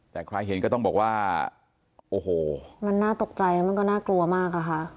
แต่ใครเห็นก็ต้องบอกว่าโอ้โหมันน่าตกใจแล้วมันก็น่ากลัวมากอะค่ะ